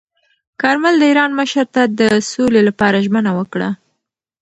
کارمل د ایران مشر ته د سولې لپاره ژمنه وکړه.